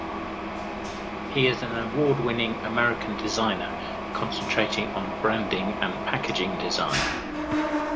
He is an award-winning American designer concentrating on branding and packaging design.